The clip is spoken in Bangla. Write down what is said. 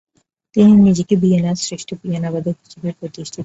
তিনি নিজেকে ভিয়েনার শ্রেষ্ঠ পিয়ানোবাদক হিসেবে প্রতিষ্ঠিত করেন।